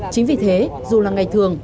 chính vì thế dù là ngày thường